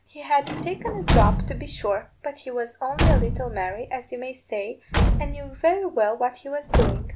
He had taken a drop, to be sure; but he was only a little merry, as you may say, and knew very well what he was doing.